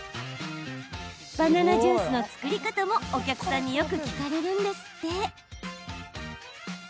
バナナジュースの作り方もお客さんによく聞かれるんですって。